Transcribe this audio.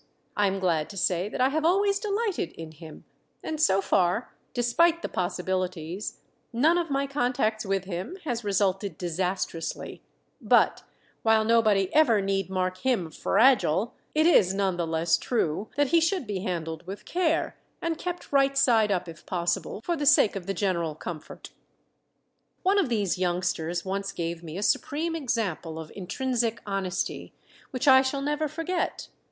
I am glad to say that I have always delighted in him, and so far, despite the possibilities, none of my contacts with him has resulted disastrously; but, while nobody ever need mark him "FRAGILE," it is none the less true that he should be handled with care, and kept right side up if possible, for the sake of the general comfort. One of these youngsters once gave me a supreme example of intrinsic honesty which I shall never forget.